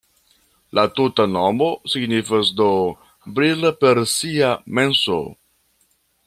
La tuta nomo signifas do: brila per sia menso.